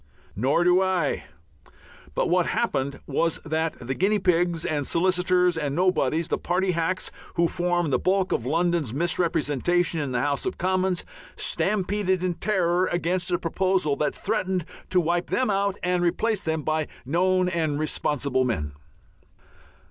Nor do I. But what happened was that the guinea pigs and solicitors and nobodies, the party hacks who form the bulk of London's misrepresentation in the House of Commons, stampeded in terror against a proposal that threatened to wipe them out and replace them by known and responsible men.